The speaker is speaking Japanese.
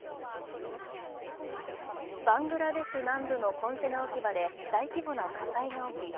バングラデシュ南部のコンテナ置き場で大規模な火災が起き